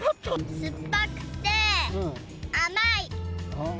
すっぱくて甘い。